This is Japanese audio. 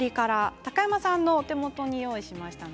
高山さんのお手元に用意しました。